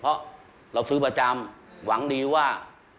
เพราะเราซื้อประจำหวังดีว่า